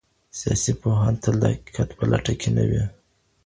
سیاسي پوهان تل د حقیقت په لټه کې نه وي.